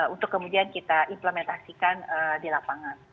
untuk kemudian kita implementasikan di lapangan